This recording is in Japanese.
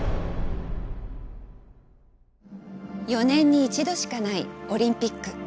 ４年に１度しかないオリンピック。